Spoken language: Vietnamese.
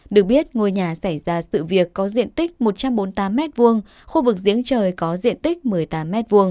được biết ngôi nhà xảy ra sự việc có diện tích một trăm bốn mươi tám m hai khu vực diễn trời có diện tích một mươi tám m hai